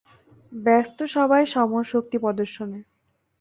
ব্যস্ত সবাই সমর শক্তি প্রদর্শনে।